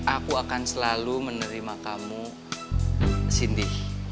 aku akan selalu menerima kamu cindy